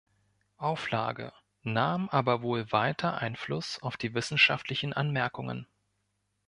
Auflage, nahm aber wohl weiter Einfluss auf die wissenschaftlichen Anmerkungen.